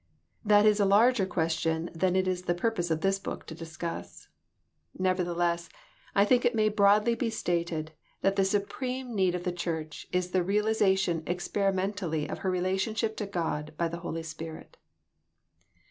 That is a larger question than it is the purpose of this book to discuss. E'evertheless, I think it may broadly be stated that the supreme need of the Church is the realiza tion experimentally of her relationship to God by the Holy Spirit.